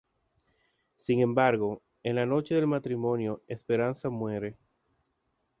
Sin embargo, en la noche del matrimonio Esperanza muere.